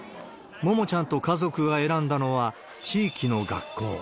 ももちゃんと家族が選んだのは地域の学校。